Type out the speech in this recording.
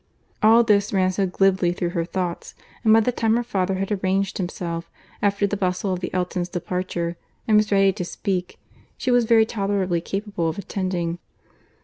— All this ran so glibly through her thoughts, that by the time her father had arranged himself, after the bustle of the Eltons' departure, and was ready to speak, she was very tolerably capable of attending.